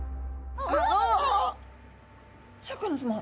シャーク香音さま。